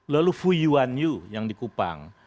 lalu fuyuan yu yang di kupang